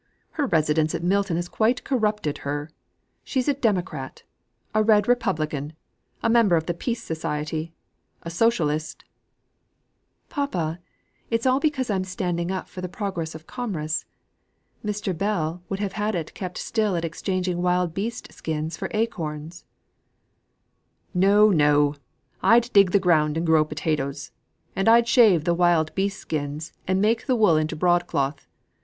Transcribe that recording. Her residence in Milton has quite corrupted her. She's a democrat, a red republican, a member of the Peace Society, a socialist " "Papa, it's all because I'm standing up for the progress of commerce. Mr. Bell would have had it keep still at exchanging wild beast skins for acorns." "No, no. I'd dig the ground and grow potatoes. And I'd shave the wild beast skin and make the wool into broadcloth.